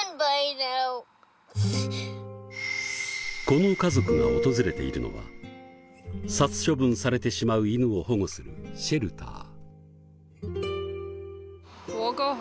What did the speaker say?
この家族が訪れているのは殺処分されてしまう犬を保護するシェルター。